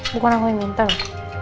bukan aku yang minta loh